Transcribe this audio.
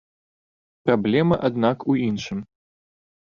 Праблема, аднак, у іншым.